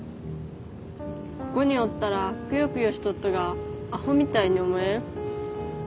ここにおったらくよくよしとっとがアホみたいに思えん？